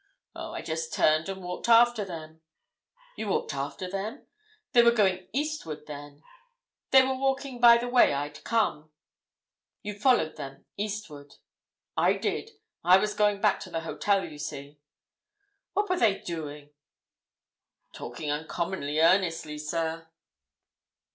"Oh, I just turned and walked after them." "You walked after them? They were going eastward, then?" "They were walking by the way I'd come." "You followed them eastward?" "I did—I was going back to the hotel, you see." "What were they doing?" "Talking uncommonly earnestly, sir."